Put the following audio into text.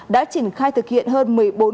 đã triển khai thực hiện hơn